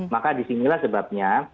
maka disinilah sebabnya